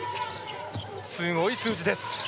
すごい数字です。